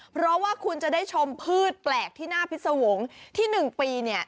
เพราะว่าคุณจะได้ชมพืชแปลกที่หน้าพิษวงศ์ที่๑ปีเนี่ย